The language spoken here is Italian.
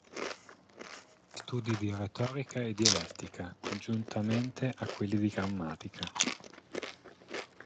Istituì studi di Retorica e Dialettica, congiuntamente a quelli di Grammatica.